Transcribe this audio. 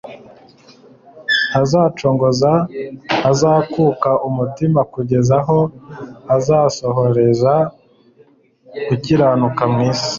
“Ntazacogora, ntazakuka umutima, kugeza aho azasohoreza gukiranuka mu isi,